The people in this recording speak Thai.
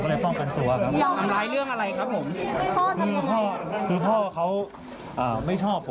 อันนี้ก็คือมีดพ่อใช่ไหมค่ะ